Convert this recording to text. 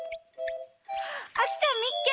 あきちゃんみっけ！